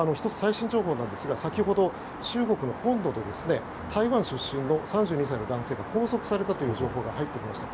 そして、先ほど中国の本土で台湾出身の３２歳の男性が拘束されたという情報が入ってきました。